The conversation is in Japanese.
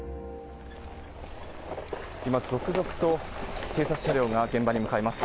今、続々と警察車両が現場に向かいます。